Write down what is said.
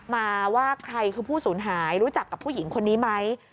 มาว่าใครคือผู้สูญหายรู้จักกับผู้หญิงคนนี้ไหม